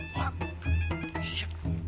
percaya ke si ouri